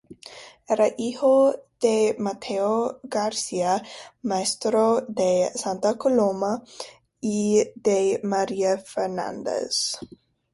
Era hijo de Mateo García, maestro de Santa Coloma, y de María Fernández.